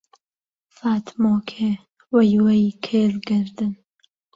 فاتمۆکێ وەی وەی کێل گەردن